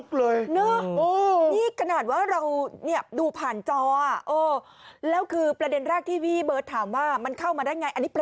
กระนะว่าเรานี่ดูผ่านจอแล้วคือประเด็นแรกที่วีบจะถามว่ามันเข้ามาได้อย่างไร